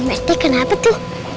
oh mesti kenapa tuh